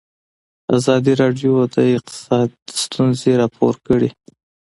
ازادي راډیو د اقتصاد ستونزې راپور کړي.